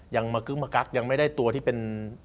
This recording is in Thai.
ยังไม่ได้ตัวที่เป็น